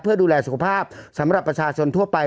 เพื่อดูแลสุขภาพสำหรับประชาชนทั่วไป